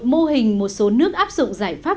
mô hình một số nước áp dụng giải pháp